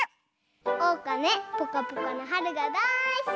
おうかねぽかぽかのはるがだいすき！